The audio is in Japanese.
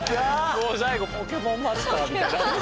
もう最後ポケモンマスターみたいな。